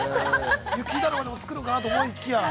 雪だるまでも作るのかと思いきや。